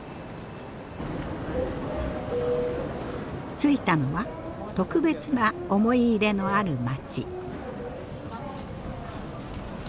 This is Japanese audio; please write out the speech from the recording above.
着いたのは特別な思い入れのある街。